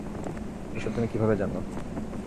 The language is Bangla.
এসব তুমি কিভাবে জানো?